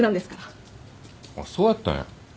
あっそうやったんや。